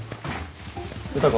歌子